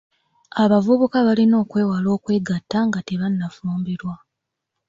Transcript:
Abavubuka balina okwewala okwegatta nga tebannafumbirwa.